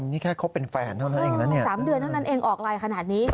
นี่แค่คบเป็นแฟนเท่านั้นเองนะเนี่ย๓เดือนเท่านั้นเองออกไลน์ขนาดนี้